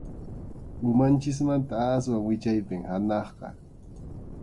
Umanchikmanta aswan wichaypim hanaqqa.